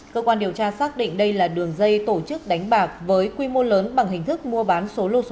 cơ quan điều tra xác định đây là đường dây tổ chức đánh bạc với quy mô lớn